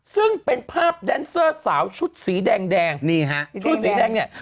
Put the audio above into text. ซึ่งเป็นภาพแดนเซอร์สาวชุดสีแดงนี่ฮะชุดสีแดงเนี่ย